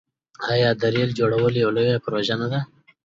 آیا د ریل جوړول یوه لویه پروژه نه وه؟